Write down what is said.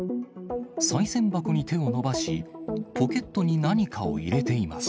さい銭箱に手を伸ばし、ポケットに何かを入れています。